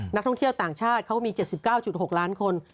นักท่องเที่ยวต่างชาติเขาก็มี๗๙๖ล้านคน